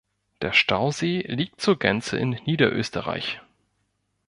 Der Stausee liegt zur Gänze in Niederösterreich.